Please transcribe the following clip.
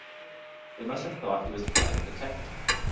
They must have thought he was a private detective.